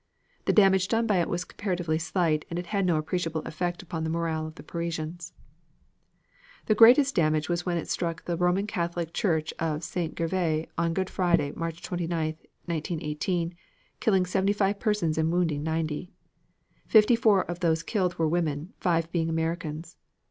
The damage done by it was comparatively slight and it had no appreciable effect upon the morale of the Parisians. Its greatest damage was when it struck the Roman Catholic Church of St. Gervais on Good Friday, March 29, 1918, killing seventy five persons and wounding ninety. Fifty four of those killed were women, five being Americans.